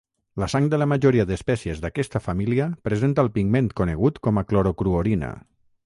La sang de la majoria d’espècies d’aquesta família presenta el pigment conegut com a clorocruorina.